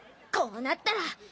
こうなったら！